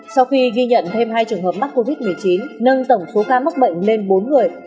sau khi ghi nhận thêm hai trường hợp mắc covid một mươi chín nâng tổng số ca mắc bệnh lên bốn người